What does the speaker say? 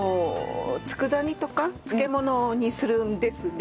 佃煮とか漬物にするんですね。